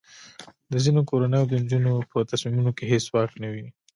د ځینو کورنیو د نجونو په تصمیمونو کې هیڅ واک نه وي.